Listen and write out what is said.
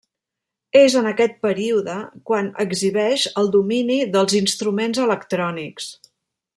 És en aquest període quan exhibeix el domini dels instruments electrònics.